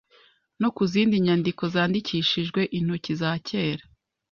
no ku zindi nyandiko zandikishijwe intoki za kera